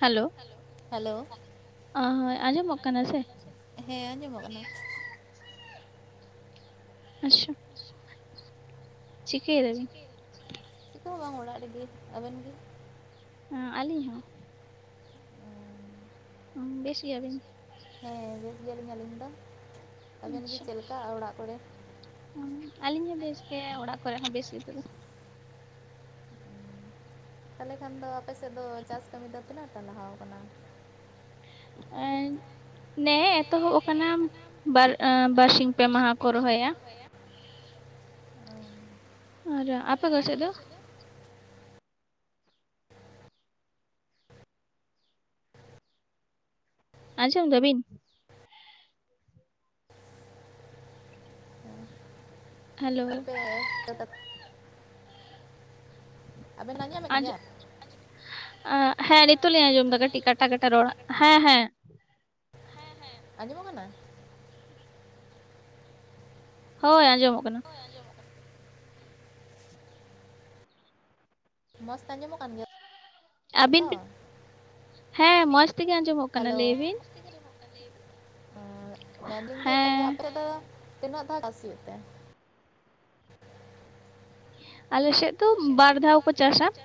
Hello hello ᱚ ᱦᱚᱭ ᱟᱸᱡᱚᱢᱚᱜ ᱠᱟᱱᱟ ᱥᱮ? ᱦᱮᱸ ᱟᱸᱡᱚᱢᱚᱜ ᱠᱟᱱᱟ ᱟᱪᱪᱷᱟ ᱪᱤᱠᱟᱹᱭ ᱫᱟᱵᱤᱱ? [unintelligible] ᱦᱚᱸ ᱵᱟᱝ ᱚᱲᱟᱜ ᱨᱮᱜᱮ, ᱟᱵᱮᱱ ᱜᱮ? ᱦᱮ ᱟᱹᱞᱤᱧ ᱦᱚᱸ [unintelligible] ᱵᱮᱥ ᱜᱤᱭᱟᱵᱤᱱ? ᱦᱮᱸ ᱵᱮᱥ ᱜᱮᱭᱟᱞᱤᱧ ᱟᱹᱞᱤᱧ ᱫᱚ ᱟᱵᱮᱱ ᱜᱮ ᱪᱮᱫ ᱞᱮᱠᱟ ᱚᱲᱟᱜ ᱠᱚᱨᱮ? ᱟᱹᱞᱤᱧ ᱦᱚᱸ ᱵᱮᱥ ᱜᱮ ᱚᱲᱟᱜ ᱠᱚᱨᱮ ᱦᱚᱸ ᱵᱮᱥ ᱜᱮ [unintelligible] ᱛᱟᱦᱚᱞᱮ ᱠᱷᱟᱱ ᱫᱚ ᱟᱯᱮ ᱥᱮᱫ ᱫᱚ ᱪᱟᱥ ᱠᱟᱹᱢᱤ ᱫᱚ ᱛᱤᱱᱟᱹᱜᱴᱟ ᱞᱟᱦᱟᱣ ᱟᱠᱟᱱᱟ [unintelligible] ᱱᱮᱸ ᱮᱛᱚᱦᱚᱵ ᱟᱠᱟᱱᱟ ᱵᱟᱨ ᱮᱸ ᱵᱟᱨᱥᱤᱧ ᱯᱮ ᱢᱟᱦᱟ ᱠᱚ ᱨᱚᱦᱚᱭᱟ ᱟᱨ ᱟᱯᱮᱠᱚ ᱥᱮᱫ ᱫᱚ? ᱟᱸᱡᱚᱢ ᱫᱟᱹᱵᱤᱱ? ᱚᱯᱮ [unintelligible] ᱟᱵᱮᱱ ᱱᱟᱧᱚᱢᱮᱫ ᱜᱮᱭᱟ? ᱦᱮᱸ ᱱᱤᱛᱚ ᱞᱤᱧ ᱟᱸᱡᱚᱢᱫᱟ ᱠᱟᱹᱴᱤᱡ ᱠᱟᱴᱟ ᱠᱟᱴᱟ ᱨᱚᱲ, ᱦᱮᱸ ᱦᱮᱸ ᱟᱸᱡᱚᱢᱚᱜ ᱠᱟᱱᱟ? ᱦᱳᱭ ᱟᱸᱡᱚᱢᱚᱜ ᱠᱟᱱᱟ ᱢᱚᱸᱡᱽᱛᱮ ᱟᱸᱡᱚᱢᱚᱜ ᱠᱟᱱ ᱜᱮᱭᱟ? ᱟᱹᱵᱤᱱ [unintelligible] ᱦᱮᱸ ᱢᱚᱸᱡᱽ ᱛᱮᱜᱮ ᱟᱸᱡᱚᱢᱚᱜ ᱠᱟᱱᱟ ᱞᱟᱹᱭ ᱵᱤᱱ ᱾ [unintelligible] ᱢᱮᱱᱫᱤᱧ ᱡᱮ ᱛᱟᱦᱞᱮ ᱟᱯᱮ ᱫᱚ ᱛᱤᱱᱟᱹᱜ ᱫᱷᱟᱣ ᱪᱟᱥ ᱦᱩᱭᱩᱜ ᱛᱮ? ᱟᱞᱮ ᱥᱮᱫ ᱫᱚ ᱵᱟᱨ ᱫᱷᱟᱣ ᱠᱚ ᱪᱟᱥᱟ ᱾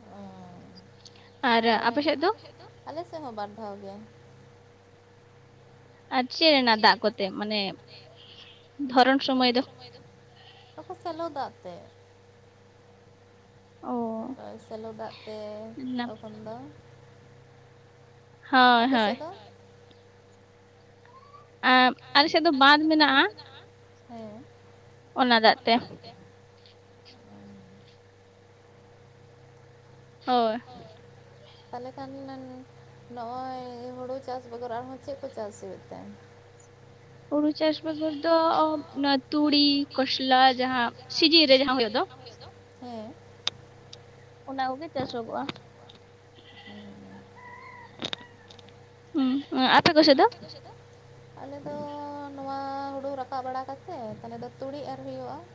[inaudible] ᱟᱨ ᱟᱯᱮ ᱥᱮᱫ ᱫᱚ? ᱟᱞᱮ ᱥᱮᱜ ᱦᱚᱸ ᱵᱟᱨ ᱫᱷᱟᱣ ᱜᱮ ᱾ ᱟᱨ ᱪᱮᱜ ᱨᱮᱱᱟᱜ ᱫᱟᱜ ᱠᱚᱛᱮ ᱢᱟᱱᱮ, ᱫᱷᱚᱨᱚᱱ ᱥᱚᱢᱚᱭ ᱫᱚ [unintelligible] ᱥᱮᱞᱳ ᱫᱟᱜ ᱛᱮ ᱚᱭ ᱥᱮᱞᱳ ᱫᱟᱜ ᱛᱮ ᱛᱚᱠᱷᱚᱱ ᱫᱚ ᱦᱚᱭ ᱦᱚᱭ ᱟᱸ ᱟᱞᱮ ᱥᱮᱫ ᱫᱚ ᱵᱟᱸᱫᱷ ᱢᱮᱱᱟᱜ-ᱟ ᱾ ᱦᱮᱸ ᱾ ᱚᱱᱟ ᱫᱟᱜ ᱛᱮ ᱦᱳᱭ ᱾ ᱛᱟᱦᱚᱞᱮ ᱠᱷᱟᱱ ᱱᱚᱜ-ᱚᱭ ᱦᱳᱲᱳ ᱪᱟᱥ ᱵᱮᱜᱚᱨ ᱟᱨᱦᱚᱸ ᱪᱮᱫ ᱠᱚ ᱪᱟᱥ ᱦᱳᱭᱳᱜ ᱛᱟᱸᱦᱮᱫ? ᱦᱩᱲᱩ ᱪᱟᱥ ᱵᱮᱜᱚᱨ ᱫᱚ ᱚᱱᱟ ᱛᱩᱲᱤ, ᱠᱚᱥᱞᱟ ᱡᱟᱦᱟᱸ ᱥᱤᱡᱤᱱ ᱨᱮ ᱡᱟᱦᱟᱸ ᱦᱳᱭᱳᱜ ᱫᱚ ᱾ ᱦᱮᱸ ᱾ ᱚᱱᱟ ᱠᱚᱜᱮ ᱪᱟᱥᱚᱜᱚᱜ-ᱟ ᱾ [inaudible] [inaudible] ᱩᱸ ᱟᱯᱮ ᱠᱚᱥᱮᱜ ᱫᱚ? ᱟᱞᱮ ᱫᱚ ᱱᱚᱣᱟ ᱦᱩᱲᱩ ᱨᱟᱠᱟᱵ ᱵᱟᱲᱟ ᱠᱟᱛᱮ ᱛᱟᱦᱞᱮ ᱫᱚ ᱛᱩᱲᱤ ᱮᱨ ᱦᱩᱭᱩᱜ-ᱟ ᱾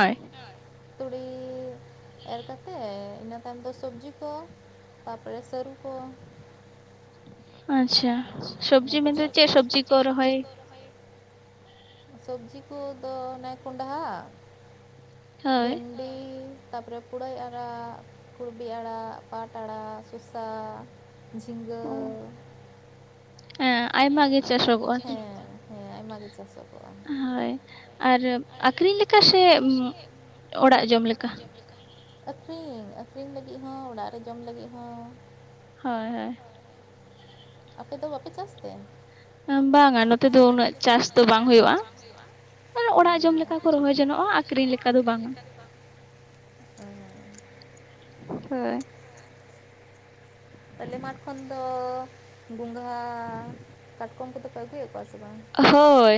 ᱦᱳᱭ ᱾ [unintelligible] ᱛᱩᱲᱤᱻ ᱮᱨ ᱠᱟᱛᱮ ᱤᱱᱟᱹ ᱛᱟᱭᱚᱢ ᱫᱚ ᱥᱚᱵᱽᱡᱤ ᱠᱚ ᱛᱟᱯᱚᱨᱮ ᱥᱟᱹᱨᱩ ᱠᱚ ᱟᱪᱪᱷᱟ, ᱥᱚᱵᱽᱡᱤ ᱢᱮᱱᱛᱮ ᱫᱚ ᱪᱮᱫ ᱥᱚᱵᱽᱡᱤ ᱠᱚ ᱨᱚᱦᱚᱭ ᱥᱚᱵᱽᱡᱤ ᱠᱚᱫᱚ ᱚᱱᱮ ᱠᱚᱸᱰᱷᱟ [inaudible] ᱵᱷᱮᱱ ᱰᱤ ᱛᱟᱯᱚᱨᱮ ᱯᱩᱨᱟᱹᱭ ᱟᱲᱟᱜ ᱾ ᱠᱩᱞᱵᱤ ᱟᱲᱟᱜ, ᱯᱟᱴ ᱟᱲᱟᱜ, ᱥᱚᱥᱟ, ᱡᱷᱤᱸᱜᱟᱹ ᱦᱮᱸ ᱟᱭᱢᱟ ᱜᱮ ᱪᱟᱥᱚᱜᱚᱜ-ᱟ, ᱦᱮᱸ ᱦᱮᱸ ᱟᱭᱢᱟ ᱜᱮ ᱪᱟᱥᱚᱜᱚᱜ-ᱟ ᱾ ᱦᱳᱭ ᱟᱨ ᱟᱠᱷᱨᱤᱧ ᱞᱮᱠᱟ ᱥᱮ [inaudible] ᱚᱲᱟᱜ ᱡᱚᱢ ᱞᱮᱠᱟ? ᱟᱹᱠᱷᱨᱤᱧ, ᱟᱹᱠᱷᱨᱤᱧ ᱞᱟᱹᱜᱤᱫ ᱦᱚᱸ ᱚᱲᱟᱜ ᱨᱮ ᱡᱚᱢ ᱞᱟᱹᱜᱤᱫ ᱦᱚᱸ ᱾ ᱦᱳᱭ ᱦᱳᱭ ᱾ ᱟᱯᱮ ᱫᱚ ᱵᱟᱯᱮ ᱪᱟᱥ ᱛᱮ? ᱟᱸ ᱵᱟᱝ-ᱟ ᱱᱚᱛᱮ ᱫᱚ ᱩᱱᱟᱹᱜ ᱪᱟᱥ ᱫᱚ ᱵᱟᱝ ᱦᱳᱭᱳᱜ-ᱟ, [inaudible] ᱚᱲᱟᱜ ᱡᱚᱢ ᱞᱮᱠᱟ ᱠᱚ ᱨᱚᱦᱚᱭ ᱡᱚᱱᱚᱜ-ᱟ ᱾ ᱟᱹᱠᱷᱨᱤᱧ ᱞᱮᱠᱟ ᱫᱚ ᱵᱟᱝ-ᱟ [inaudible] ᱦᱳᱭ ᱾ ᱛᱟᱦᱞᱮ ᱢᱟᱴᱷ ᱠᱷᱚᱱ ᱫᱚ ᱜᱚᱸᱜᱷᱟ, ᱠᱟᱴᱠᱚᱢ ᱠᱚᱫᱚ ᱯᱮ ᱟᱹᱜᱩᱭᱮᱫ ᱠᱚᱣᱟ ᱥᱮ ᱵᱟᱝ? ᱦᱳᱭ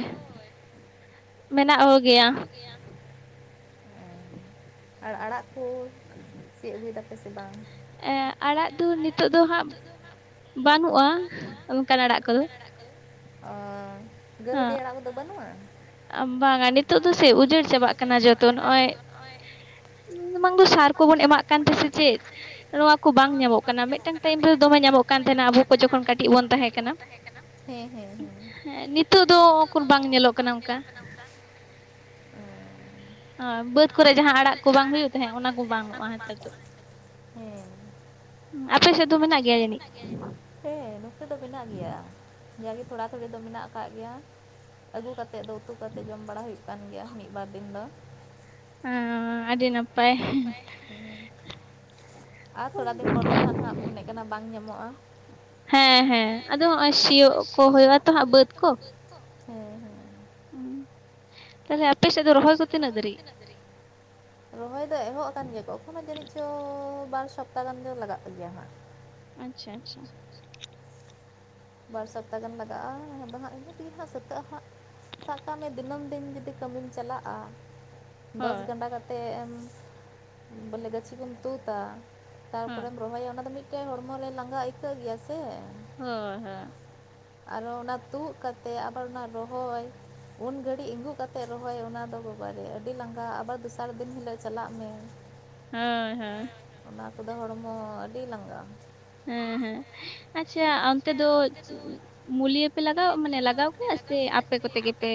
[inaudible] ᱢᱮᱱᱟᱜ ᱠᱚ ᱜᱮᱭᱟ ᱾ [unintelligible] ᱟᱨ ᱟᱲᱟᱜ ᱠᱚ [unintelligible] ᱟᱹᱜᱩᱭ ᱮᱫᱟ ᱯᱮ ᱥᱮ ᱵᱟᱝ? ᱮᱸ ᱟᱲᱟᱜ ᱫᱚ ᱱᱤᱛᱳᱜ ᱫᱚ ᱦᱟᱸᱜ [inaudible] ᱵᱟᱹᱱᱩᱜ-ᱟ ᱚᱱᱠᱟᱱ ᱟᱲᱟᱜ ᱠᱚ [unintelligible] ᱚ ᱜᱟᱹᱨᱩᱰᱤ ᱟᱲᱟᱜ ᱠᱚ ᱫᱚ ᱵᱟᱹᱱᱩᱜ-ᱟ? ᱵᱟᱝᱟ ᱱᱤᱛᱳᱜ ᱫᱚ ᱥᱮ ᱩᱡᱟᱹᱲ ᱪᱟᱵᱟᱜ ᱠᱟᱱᱟ ᱡᱚᱛᱚ, ᱱᱚᱸᱜ-ᱚᱭ [unintelligible] ᱵᱟᱝ ᱫᱚ ᱥᱟᱨ ᱠᱚᱵᱚᱱ ᱮᱢᱟᱜ ᱠᱟᱱ ᱛᱮ ᱥᱮ ᱪᱮᱫ ᱾ ᱱᱚᱣᱟ ᱠᱚ ᱵᱟᱝ ᱧᱟᱢᱚᱜ ᱠᱟᱱᱟ, ᱢᱤᱫᱴᱟᱝ ᱴᱟᱭᱤᱢ ᱫᱚ ᱫᱚᱢᱮ ᱧᱟᱢᱚᱜ ᱠᱟᱱ ᱛᱟᱦᱮᱱᱟ ᱟᱵᱚ ᱠᱚ ᱡᱚᱠᱷᱚᱱ ᱠᱟᱹᱴᱤᱡ ᱵᱚᱱ ᱛᱟᱸᱦᱮ ᱠᱟᱱᱟ ᱾ ᱛᱟᱦᱮᱸ ᱠᱟᱱᱟ ᱾ ᱦᱮᱸ ᱦᱮᱸ ᱦᱮᱸ [inaudible] ᱱᱤᱛᱳᱜ ᱫᱚ ᱩᱠᱩᱨ ᱵᱟᱝ ᱧᱮᱞᱚᱜ ᱠᱟᱱᱟ ᱾ ᱟᱸ ᱵᱟᱹᱫᱽ ᱠᱚᱨᱮ ᱡᱟᱸᱦᱟ ᱟᱲᱟᱜ ᱠᱚ ᱵᱟᱝ ᱦᱩᱭᱩᱜ ᱛᱟᱸᱦᱮᱫ, ᱚᱱᱟ ᱠᱚ ᱵᱟᱹᱱᱩᱜ-ᱟ ᱱᱮᱛᱟᱨ ᱫᱚ ᱾ ᱦᱮᱸ ᱾ ᱟᱯᱮᱥᱮᱫ ᱫᱚ ᱢᱮᱱᱟᱜ ᱜᱮᱭᱟ ᱡᱟᱱᱤᱡ? ᱢᱮᱱᱟᱜ ᱜᱮᱭᱟ, ᱡᱟᱜᱮ ᱛᱷᱚᱲᱟ ᱛᱷᱩᱲᱤ ᱫᱚ ᱢᱮᱱᱟᱜ ᱟᱠᱟᱜ ᱜᱮᱭᱟ ᱾ ᱟᱹᱜᱩ ᱠᱟᱛᱮᱫ ᱫᱚ ᱩᱛᱩ ᱠᱟᱛᱮᱫ ᱡᱚᱢ ᱵᱟᱲᱟ ᱦᱩᱭᱩᱜ ᱠᱟᱱ ᱜᱮᱭᱟ ᱢᱤᱫ ᱵᱟᱨ ᱫᱤᱱ ᱫᱚ ᱾ ᱦᱩᱸᱻ ᱟᱹᱰᱤ ᱱᱟᱯᱟᱭ ᱾ ᱮᱸᱦ ᱾ ᱟᱨ ᱛᱷᱚᱲᱟ ᱫᱤᱱ ᱯᱚᱨ ᱫᱚ ᱠᱷᱟᱱ ᱦᱟᱸᱜ ᱢᱚᱱᱮᱫ ᱠᱟᱱᱟ ᱵᱟᱝ ᱧᱟᱢᱚᱜᱼᱟ ᱾ ᱦᱮᱸ ᱦᱮᱸ ᱟᱫᱚ ᱦᱚᱸᱜᱼᱚᱭ ᱥᱤᱭᱚᱜ ᱠᱚ ᱦᱩᱭᱩᱜ ᱟᱛᱚ ᱦᱟᱸᱜ ᱵᱟᱹᱫ ᱠᱚ ᱾ ᱦᱮᱸ ᱦᱮᱸ ᱾ ᱦᱩᱸ [inaudible] ᱟᱮ ᱟᱯᱮᱥ ᱫᱚᱨᱵ [unintelligible] ᱨᱚᱦᱚᱭ ᱫᱚ ᱮᱦᱚᱵ ᱟᱠᱟᱱ ᱜᱮᱭᱟᱠᱚ ᱮᱠᱷᱚᱱᱳ ᱡᱟᱹᱱᱤᱡ ᱪᱚ ᱵᱟᱨ ᱥᱚᱯᱛ ᱜᱟᱱ ᱫᱚ ᱞᱟᱜᱟᱜ ᱜᱮᱭᱟ ᱦᱟᱸᱜ ᱟᱪᱪᱷᱟ, ᱟᱪᱪᱷᱟ ᱵᱟᱨ ᱥᱚᱯᱛ ᱜᱟᱱ ᱞᱟᱜᱟᱜᱼᱟ ᱦᱟᱸᱜ ᱤᱱᱟᱹ ᱫᱮ ᱦᱟᱸᱜ ᱥᱟᱹᱛᱟᱹᱜᱼᱟ ᱦᱟᱸᱜ ᱥᱟ ᱠᱢ ᱢᱮ ᱫᱤᱱᱟᱹᱢ ᱫᱤᱱ ᱡᱩᱫᱤ ᱠᱟᱹᱢᱤᱢ ᱪᱟᱞᱟᱜᱼᱟ᱾ ᱫᱚᱥ ᱜᱟᱟᱸᱰᱟ ᱠᱟᱛᱮᱫ ᱮᱢ ᱵᱚᱞᱮ ᱜᱟᱹᱪᱷᱤ ᱠᱚᱢ ᱛᱩᱫᱟ᱾ ᱛᱟᱨᱯᱚᱨᱮᱢ ᱨᱚᱦᱚᱭᱟ ᱚᱱᱟ ᱫᱚ ᱢᱤᱫᱴᱮᱱ ᱦᱚᱲᱢᱚᱨᱮ ᱞᱟᱸᱜᱟ ᱟᱹᱭᱠᱟᱹᱜ ᱜᱮᱭᱟ ᱥᱮᱼᱼ ᱦᱳᱭ ᱦᱳᱭ ᱟᱨᱚ ᱚᱱᱟ ᱛᱩᱫ ᱠᱟᱛᱮᱮᱫ ᱟᱵᱟᱨ ᱚᱱᱟ ᱨᱚᱦᱚᱭ᱾ ᱩᱱ ᱜᱷᱟᱹᱲᱤᱡ ᱤᱸᱜᱩ ᱠᱟᱛᱮᱮᱫ ᱨᱚᱦᱚᱭ ᱚᱱᱟ ᱫᱚ ᱵᱟᱵᱟ ᱨᱮ ᱟᱹᱰᱤ ᱞᱟᱸᱜᱟ ᱟᱵᱟᱨ ᱫᱚᱥᱟᱨ ᱫᱤᱱ ᱦᱤᱞᱳᱜ ᱪᱟᱞᱟᱜ ᱢᱮ᱾ ᱦᱩᱢ ᱦᱩᱢ ᱚᱱᱟ ᱠᱚᱫᱚ ᱦᱚᱲᱢᱚ ᱟᱹᱰᱤ ᱞᱟᱸᱟᱜᱼᱟ᱾ ᱦᱮᱸ ᱦᱮᱸ ᱟᱪᱪᱷᱟ ᱚᱱᱛᱮ ᱫᱚ ᱢᱩᱞᱤᱭᱟᱹ ᱯᱮ ᱞᱟᱜᱟᱣ ᱢᱟᱱᱮ ᱞᱟᱜᱟᱣ ᱠᱚᱣᱟ ᱥᱮᱼᱼ ᱟᱯᱮ ᱠᱚᱛᱮ ᱜᱮᱯᱮ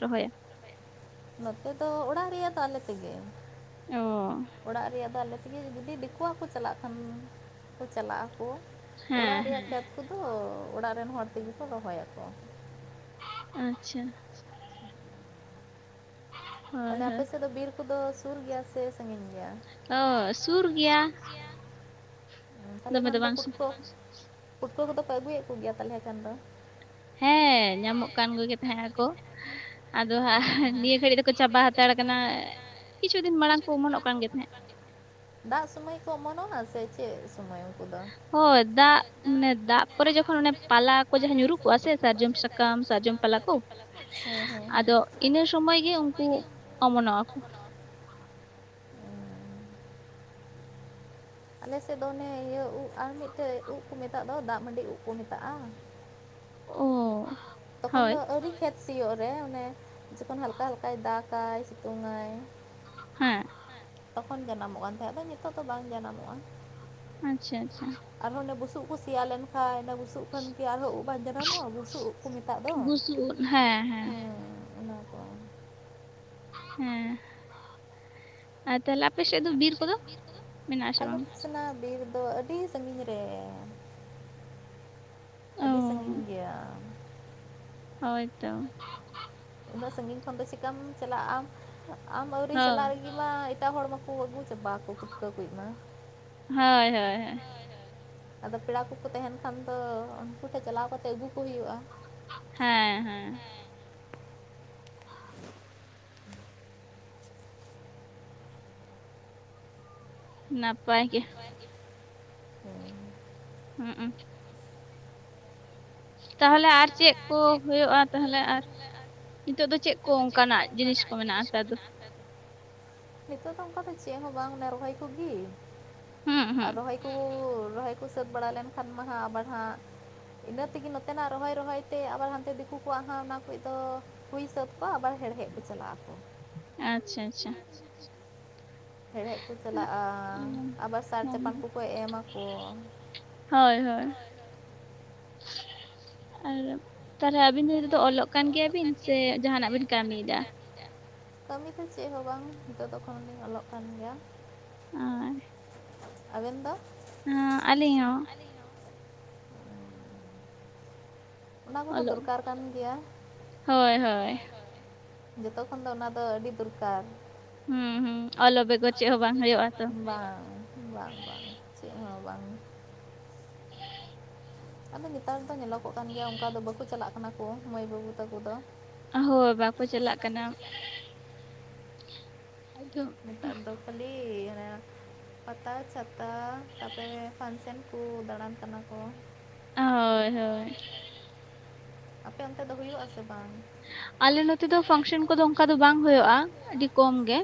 ᱨᱚᱦᱚᱭᱟ᱾ ᱱᱚᱛᱮ ᱫᱚ ᱚᱲᱟᱜ ᱨᱮᱭᱟᱜ ᱫᱚ ᱟᱞᱮ ᱛᱮᱜᱮᱼᱼ ᱚᱻ ᱚᱲᱟᱜ ᱨᱮᱭᱟᱜ ᱫᱚ ᱟᱞᱮ ᱛᱮᱜᱮ ᱡᱩᱫᱤ ᱫᱤᱠᱩᱣᱟᱜ ᱠᱚ ᱪᱟᱞᱟᱜ ᱠᱷᱟᱱ ᱠᱚ ᱪᱟᱞᱟᱜ ᱟᱠᱚᱼᱼ ᱚᱲᱟᱜ ᱨᱮᱭᱟᱜ ᱠᱷᱮᱛ ᱠᱚᱫᱚ ᱚᱲᱟᱜ ᱨᱮᱱ ᱦᱚᱲ ᱛᱮᱜᱮ ᱠᱚ ᱨᱚᱦᱚᱭᱟᱠᱚᱼᱼ ᱟᱪᱪᱷᱟ᱾ ᱛᱟᱦᱞᱮ ᱟᱯᱮ ᱥᱮᱫ ᱫᱚ ᱵᱤᱨ ᱠᱚᱫᱚ ᱥᱩᱨ ᱜᱮᱭᱟ ᱥᱮ ᱥᱟᱹᱜᱤᱧ ᱜᱮᱭᱟ? ᱚ ᱥᱩᱨ ᱜᱭᱟ᱾ ᱛᱟᱦᱞᱮ ᱠᱷᱟᱱ ᱫᱚ ᱯᱩᱴᱷᱣᱟᱹ ᱯᱩᱴᱷᱩᱟᱹ ᱠᱚᱫᱚ ᱠᱚ ᱟᱹᱜᱩᱭᱮᱫ ᱠᱚᱜᱮᱭᱟ ᱛᱟᱦᱦᱮ ᱠᱷᱟᱱ ᱫᱚᱼᱼ ᱦᱮᱸ ᱧᱟᱢᱚᱜ ᱠᱟᱱ ᱠᱚᱜᱮ ᱛᱟᱦᱮᱸᱱᱟ ᱠᱚ ᱟᱫᱚ ᱦᱟᱜ ᱱᱤᱭᱟᱹ ᱜᱷᱟᱹᱲᱤᱡ ᱫᱚᱠᱚ ᱪᱟᱵᱟ ᱦᱟᱛᱟᱲ ᱠᱟᱱᱟ᱾ ᱠᱤᱪᱷᱩ ᱫᱤᱱ ᱢᱟᱲᱟᱝ ᱠᱚᱢᱚᱜ ᱠᱟᱱ ᱜᱮ ᱛᱟᱦᱮᱸᱫ᱾ ᱫᱟᱜ ᱥᱩᱢᱚᱭ ᱠᱚ ᱚᱢᱚᱱᱚᱜ ᱱᱟ ᱥᱮ ᱪᱮᱫ ᱥᱩᱢᱚᱭ ᱠᱚᱫᱚ? ᱦᱳᱭ ᱫᱟᱜ ᱢᱟᱱᱮ ᱫᱟᱜ ᱠᱚᱚᱨ ᱡᱚᱠᱷᱚᱱ ᱚᱱᱮ ᱯᱟᱞᱟ ᱠᱚ ᱡᱟᱦᱟᱸ ᱧᱩᱨᱩᱜ ᱠᱚᱜᱼᱟ ᱥᱮ ᱥᱟᱨᱡᱚᱢ ᱥᱟᱠᱟᱢ? ᱠᱟᱢ ᱥᱟᱟᱨᱡᱚᱢ ᱯᱟᱞᱟ ᱠᱚᱼᱼ ᱦᱮᱸ ᱦᱮᱸ ᱟᱫᱚ ᱤᱱᱟᱹ ᱥᱢᱚᱭ ᱜᱮ ᱩᱱᱠᱩ ᱚᱢᱚᱱᱚᱜ ᱟᱠᱚ ᱟᱞᱮᱮᱥᱮᱫ ᱫᱚ ᱚᱱᱮ ᱤᱭᱟᱹ ᱩ ᱟᱨ ᱢᱤᱫᱴᱮᱡ ᱩᱵ ᱠᱚ ᱢᱮᱛᱟᱜ ᱫᱚ ᱫᱟᱜ ᱢᱟᱹᱰᱤ ᱩᱵ ᱠᱚ ᱢᱮᱛᱟᱜᱼᱟ᱾ ᱚᱻ ᱛᱚᱠᱷᱚᱱ ᱫᱚ ᱟᱹᱩ ᱠᱷᱮᱛ ᱥᱤᱭᱳᱜ ᱨᱮ ᱚᱱᱮ ᱡᱚᱠᱷᱚᱱ ᱦᱟᱞᱠᱟᱼ ᱦᱟᱞᱠᱟᱭ ᱫᱟᱜᱟᱭ ᱥᱤᱛᱩᱝ ᱟᱭ ᱦᱮᱸ ᱛᱚᱠᱷᱚᱱ ᱡᱟᱱᱟᱢᱚᱜ ᱠᱟᱱ ᱛᱟᱦᱮᱸᱫ ᱫᱚ ᱱᱤᱛᱚᱜ ᱫᱚ ᱵᱟᱝ ᱡᱟᱱᱟᱢᱚᱜᱼᱟ᱾ ᱟᱪᱪᱷᱟ ᱟᱪᱪᱷᱟ ᱟᱨᱚᱸ ᱚᱱᱮ ᱵᱩᱥᱩᱵᱠᱚ ᱥᱮᱭᱟ ᱞᱮᱱ ᱠᱷᱟᱱᱡ ᱵᱩᱥᱩᱵᱼᱼ ᱵᱩᱥᱩᱵ ᱠᱷᱟᱱ ᱠ ᱟᱨᱦᱚᱸ ᱩᱵ ᱵᱟᱝ ᱡᱟᱱᱟᱢᱚᱜᱼᱟ ᱵᱩᱥᱩᱵ ᱩᱵ ᱠᱚ ᱢᱮᱛᱟᱜ ᱫᱚ ᱦᱮᱸ ᱚᱱᱟ᱾ [inaudible] ᱦᱮᱸ ᱟᱨ ᱛᱟᱦᱚᱞᱮ ᱟᱯᱮ ᱥᱮᱫ ᱫᱚ ᱵᱤᱨ ᱠᱚᱫᱚ ᱢᱮᱱᱟᱜ ᱟᱥᱮ ᱵᱟᱝ? ᱥᱮᱱᱟ ᱵᱤᱨ ᱫᱚ ᱟᱹᱰᱤ ᱥᱟᱹᱜᱤᱧᱨᱮ᱾ ᱟᱹᱰᱤ ᱥᱟᱹᱜᱤᱧ ᱜᱮᱭᱟ᱾ ᱦᱳᱭ ᱛᱳᱼᱼ ᱩᱱᱟᱹᱜ ᱥᱟᱺᱜᱤᱧ ᱠᱷᱚᱱ ᱫᱚ ᱪᱮᱠᱟᱢ ᱪᱟᱞᱟᱜᱼᱟᱢ ᱟᱢ ᱟᱹᱣᱨᱤ ᱪᱟᱞᱟᱜ ᱨᱤᱜᱤ ᱢᱟ ᱮᱴᱟᱜ ᱦᱚᱲ ᱢᱟᱠᱚ ᱟᱹᱜᱩ ᱪᱟᱵᱟ ᱠᱚ ᱯᱩᱴᱠᱟᱹ ᱠᱚ ᱢᱟ, ᱦᱳᱭ ᱦᱳᱭ ᱦᱳᱭ ᱾ ᱟᱫᱚ ᱯᱮᱲᱟ ᱠᱚᱠᱚ ᱛᱟᱦᱮᱱ ᱠᱷᱟᱱ ᱫᱚ ᱩᱱᱠᱩ ᱴᱷᱮᱱ ᱪᱟᱞᱟᱣ ᱠᱟᱛᱮ ᱟᱹᱜᱩ ᱠᱚ ᱦᱩᱭᱩᱜᱼᱟ᱾ ᱦᱮᱸ ᱦᱮᱸ ᱾ ᱱᱟᱯᱟᱭ ᱜᱮ [unintelligible] ᱦᱩᱸ ᱩ ᱛᱟᱦᱚᱞᱮ ᱟᱨ ᱪᱮᱫ ᱠᱚ ᱦᱩᱭᱩᱜᱼᱟ? ᱛᱟᱦᱚᱞᱮ ᱟᱨ ᱱᱤᱛᱚᱜ ᱫᱚ ᱪᱮᱫ ᱠᱚ ᱚᱱᱠᱟᱱᱟᱜ ᱡᱤᱱᱤᱥ ᱠᱚ ᱢᱮᱱᱟᱜ-ᱟᱮᱛᱟᱨ ᱫᱚ? ᱱᱤᱛᱚᱜ ᱫᱚ ᱚᱱᱠᱟ ᱫᱚ ᱪᱮᱫ ᱦᱚᱸ ᱵᱟᱝ ᱨᱚᱦᱚᱭ ᱠᱚᱜᱮ ᱟᱨ ᱨᱚᱦ ᱠᱩ ᱨᱚᱦᱚᱭ ᱠᱚ ᱥᱟᱹᱛ ᱵᱟᱲᱟ ᱞᱮᱱᱠᱷᱟᱱ [inaudible] ᱦᱟᱜ ᱤᱱᱟᱹ ᱛᱮᱜᱮ ᱱᱚᱛᱮᱱᱟᱜ ᱨᱚᱦᱚᱭ ᱨᱚᱦᱚᱭ ᱛᱮ ᱟᱵᱟᱨ ᱦᱟᱛᱮ ᱫᱤᱠᱩ ᱠᱚᱣᱟᱜ ᱦᱚᱸ ᱚᱱᱟ ᱠᱷᱚᱡ ᱫᱚ ᱦᱩᱭ ᱥᱟᱹᱛ ᱠᱚᱣᱟ ᱟᱵᱟᱨ ᱦᱮᱲᱦᱮᱫ ᱠᱚ ᱪᱟᱞᱟᱜᱼᱟ ᱟᱠᱚ, ᱟᱪᱪᱷᱟ ᱟᱪᱪᱷᱟ᱾ ᱦᱮᱲᱦᱮᱫ ᱠᱚ ᱪᱟᱞᱟᱜᱼᱟ ᱟᱵᱟᱨ ᱥᱟᱨ ᱪᱟᱯᱟᱱ ᱠᱚᱠᱚ ᱮᱢ ᱟᱠᱚ᱾ ᱦᱳᱭ ᱦᱳᱭ, ᱟᱨ ᱛᱟᱦᱚᱞᱮ ᱟᱵᱤᱱ ᱫᱚ ᱱᱤᱛᱚᱜ ᱫᱚ ᱚᱞᱚᱜ ᱠᱟᱱ ᱜᱮᱭᱟ ᱵᱤᱱ ᱥᱮ ᱡᱟᱦᱟᱱᱟᱜ ᱵᱤᱱ ᱠᱟᱹᱢᱤᱭᱫᱟ? ᱠᱟᱹᱢᱤ ᱫᱚ ᱪᱮᱫ ᱦᱚᱸ ᱵᱟᱝ ᱱᱤᱛᱚᱜ ᱫᱚ ᱮᱠᱷᱚᱱ ᱚᱞᱚᱜ ᱠᱟᱱ ᱜᱮᱭᱟ, ᱟᱵᱮᱱ ᱫᱚ? ᱟᱞᱤᱧ ᱦᱚᱸ ᱚᱱᱟ ᱠᱚᱦᱚᱸ ᱫᱚᱨᱠᱟᱨ ᱠᱟᱱ ᱜᱮᱭᱟ, ᱦᱳᱭ ᱦᱳᱭ, ᱡᱚᱛᱚ ᱠᱷᱚᱱ ᱫᱚ ᱚᱱᱟᱫᱚ ᱟᱹᱰᱤ ᱫᱚᱨᱠᱟᱨ᱾ [unintelligible] ᱵᱟᱝ ᱵᱟᱝ ᱪᱮᱫ ᱦᱚᱸ ᱵᱟᱝ, ᱟᱫᱚ ᱱᱮᱛᱟᱨ ᱫᱚ ᱧᱮᱞᱚᱜᱚ ᱠᱟᱱ ᱜᱮᱭᱟ ᱚᱱᱠᱟ ᱫᱚ ᱵᱟᱠᱚ ᱪᱟᱞᱟᱜ ᱠᱟᱱᱟ ᱠᱚ ᱢᱟᱹᱭ ᱵᱟᱹᱵᱩ ᱛᱟᱠᱚ ᱫᱚ, ᱦᱳᱭ ᱵᱟᱠᱚ ᱪᱟᱞᱟᱜ ᱠᱟᱱᱟ, ᱱᱮᱛᱟᱨ ᱫᱚ ᱠᱷᱟᱹᱞᱤ ᱯᱟᱛᱟ ᱪᱷᱟᱛᱟ ᱛᱟᱯᱚᱨᱮ ᱯᱷᱟᱱᱥᱮᱱ ᱠᱚ ᱫᱟᱬᱟᱱ ᱠᱟᱱᱟ ᱠᱚ, ᱦᱳᱭ ᱦᱳᱭ, ᱟᱯᱮ ᱚᱱᱛᱮ ᱫᱚ ᱦᱩᱭᱩᱜ-ᱟ ᱥᱮ ᱵᱟᱝ? ᱟᱞᱮ ᱱᱚᱛᱮ ᱫᱚ ᱯᱷᱟᱱᱥᱮᱱ ᱠᱚᱫᱚ ᱚᱱᱠᱟ ᱫᱚ ᱵᱟᱝ ᱦᱩᱭᱩᱜᱼᱟ ᱟᱹᱰᱤ ᱠᱚᱢ ᱜᱮ,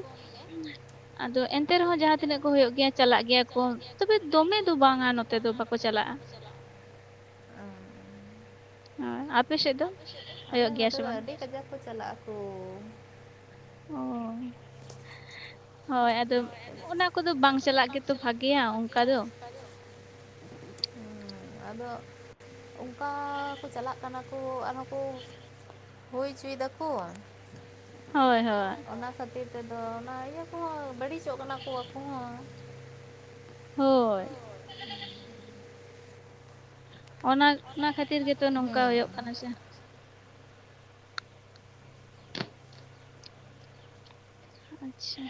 ᱟᱫᱚ ᱮᱱᱛᱮ ᱨᱮᱦᱚᱸ ᱡᱟᱦᱟᱸ ᱛᱤᱱᱟᱹᱜ ᱠᱚ ᱦᱩᱭᱩᱜ ᱜᱮᱭᱟ ᱪᱟᱞᱟᱜ ᱜᱮᱭᱟ ᱠᱚ ᱛᱚᱵᱮ ᱫᱚᱢᱮ ᱫᱚ ᱵᱟᱝᱟ ᱱᱚᱛᱮ ᱫᱚ ᱵᱟᱠᱚ ᱪᱟᱞᱟᱜᱼᱟ᱾ ᱱᱛᱮ ᱫᱚ ᱟᱹᱰᱤ ᱠᱟᱡᱟᱠ ᱠᱚ ᱪᱟᱞᱟᱜ ᱟᱠᱚ᱾ ᱦᱳᱭ ᱟᱫᱚ ᱚᱱᱟ ᱠᱚᱫᱚ ᱵᱟᱝ ᱪᱟᱞᱟᱜ ᱜᱮᱛᱚ ᱵᱷᱟᱜᱮᱭᱟ ᱚᱱᱠᱟ ᱫᱚ, ᱟᱫᱚ ᱚᱱᱠᱟ ᱠᱚ ᱪᱟᱞᱟᱜ ᱠᱟᱱᱟ ᱠᱚ ᱟᱨᱦᱚᱸ ᱠᱚ ᱦᱩᱭ ᱦᱚᱪᱚᱭ ᱫᱟᱠᱚ ᱾ ᱚᱱᱟ ᱠᱷᱟᱹᱛᱤᱨ ᱛᱮᱫᱚ ᱚᱱᱟ ᱤᱭᱟᱹ ᱠᱚᱦᱚᱸ ᱵᱟᱹᱲᱤᱡᱚᱜ ᱠᱟᱱᱟ ᱠᱚ ᱟᱠᱚ ᱦᱚᱸ᱾ ᱦᱳᱭ ᱾ ᱚᱱᱟ ᱚᱱᱟ ᱠᱷᱟᱹᱛᱤᱨ ᱜᱮᱛᱚ ᱱᱚᱝᱠᱟ ᱦᱩᱭᱩᱜ ᱠᱟᱱᱟ ᱥᱮ, ᱟᱪᱪᱷᱟ,